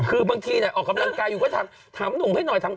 คือบางทีออกกำลังกายอยู่ก็ถามหนุ่มให้หน่อย